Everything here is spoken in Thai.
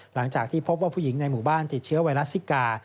หลังจากที่พบว่าผู้หญิงในหมู่บ้านติดเชื้อไวรัสซิกา